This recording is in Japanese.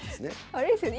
あれですよね